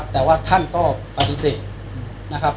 แต่ว่าท่านก็ปฏิเสธนะครับ